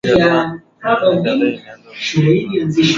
mingine kadhaa ilianzishwa na wafanyabiashara Waarabu au